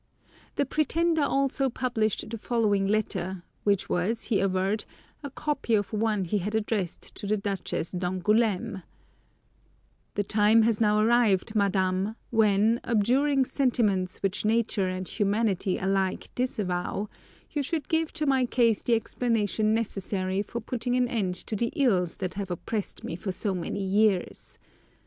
The pretender also published the following letter, which was, he averred, a copy of one he had addressed to the Duchess d'Angoulême: "The time has now arrived, Madame, when, abjuring sentiments which nature and humanity alike disavow, you should give to my case the explanation necessary for putting an end to the ills that have oppressed me for so many years.